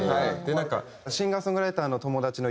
シンガーソングライターの友達の優里君に。